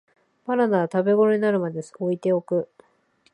バナナは食べごろになるまで置いておく